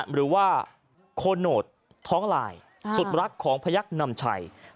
หรือว่าโคโนตท้องลายสุดรักของพยักษ์นำชัย